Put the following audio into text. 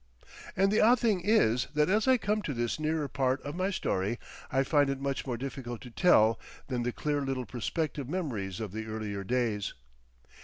And the odd thing is that as I come to this nearer part of my story I find it much more difficult to tell than the clear little perspective memories of the earlier days.